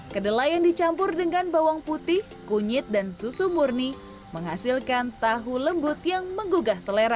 kedelai yang dicampur dengan bawang putih kunyit dan susu murni menghasilkan tahu lembut yang menggugah selera